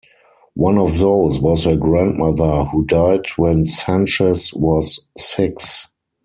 One of those was her grandmother, who died when Sanchez was six.